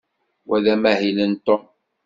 Wa d amahil n Tom.